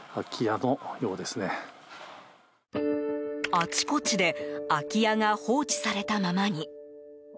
あちこちで空き家が放置されたままに。